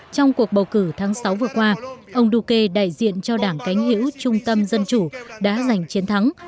trong cuộc bầu cử tháng sáu vừa qua ông duque đại diện cho đảng cánh hữu trung tâm dân chủ đã giành chiến thắng